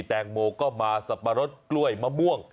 แตงโมก็มาสับปะรดกล้วยมะม่วง